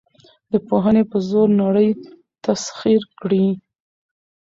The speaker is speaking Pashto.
د پوهې په زور نړۍ تسخیر کړئ.